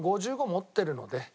持ってるので。